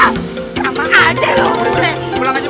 pulang aja bu